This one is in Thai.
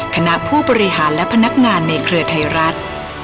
คณะผู้บริหารและพนักงานในเครือไทยรัฐ